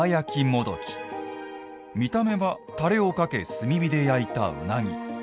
もどき見た目は、たれをかけ炭火で焼いた、うなぎ。